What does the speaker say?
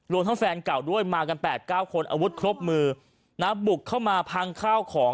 ทั้งแฟนเก่าด้วยมากัน๘๙คนอาวุธครบมือนะบุกเข้ามาพังข้าวของ